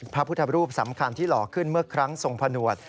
พระพุทธรูปสำคัญที่หล่อขึ้นเมื่อครั้งทรงผนวด